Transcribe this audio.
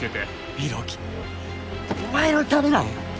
浩喜お前のためなんや。